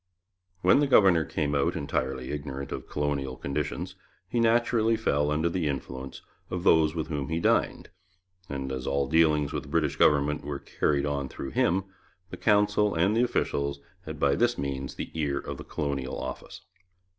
When the governor came out entirely ignorant of colonial conditions he naturally fell under the influence of those with whom he dined, and as all dealings with the British government were carried on through him, the Council and the officials had by this means the ear of the Colonial Office.